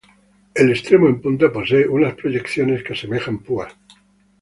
El extremo en punta posee unas proyecciones que asemejan púas.